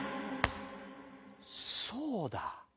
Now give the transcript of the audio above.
そうだ。